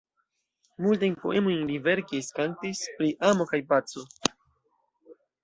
Multajn poemojn li verkis, kantis pri amo kaj paco.